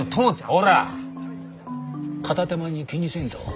ほら片手間に気にせんと。